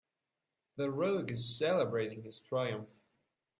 The rogue is celebrating his triumph.